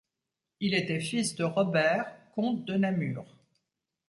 Il était fils de Robert, comte de Namur.